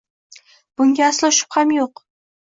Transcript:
Bunga aslo shubham yo’q.